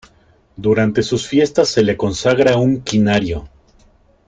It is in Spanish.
Durante sus fiestas se le consagra un quinario.